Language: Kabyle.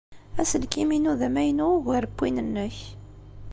Aselkim-inu d amaynu ugar n win-nnek.